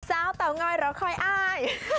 เตางอยเราคอยอ้าย